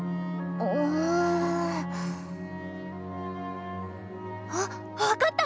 うん。あっ分かった！